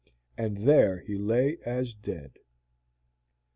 And there he lay as dead.